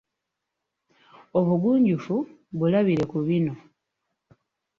Obugunjufu bulabire ku bino